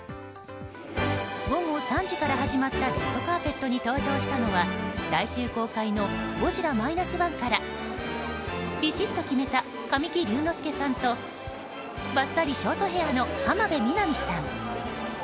午後３時から始まったレッドカーペットに登場したのは来週公開の「ゴジラ−１．０」からビシッと決めた神木隆之介さんとバッサリショートヘアの浜辺美波さん。